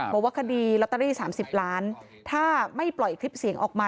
บอกว่าคดีลอตเตอรี่๓๐ล้านถ้าไม่ปล่อยคลิปเสียงออกมา